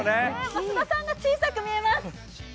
増田さんが小さく見えます。